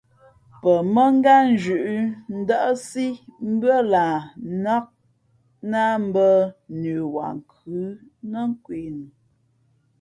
Pαmᾱngátnzhʉ̌ʼ ndάʼsí mbʉ́ά lah nnák nāh mbᾱ nəwaankhʉ̌ nά kwe nu.